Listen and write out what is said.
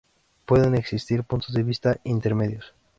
Pueden existir puntos de vista intermedios.